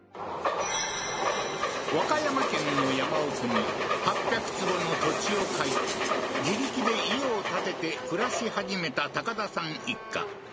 和歌山県の山奥に８００坪の土地を買い自力で家を建てて暮らし始めた高田さん一家